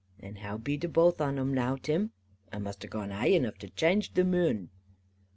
"And how be the both on 'em now, Tim? A must have gone haigh enough to channge the mune.